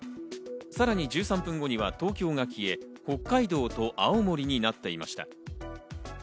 さらに１３分後には東京が消え、北海道と青森になっていました。